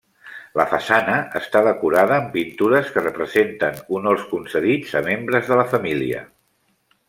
La façana està decorada amb pintures que representen honors concedits a membres de la família.